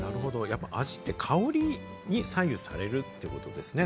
味って香りに左右されるってことですね。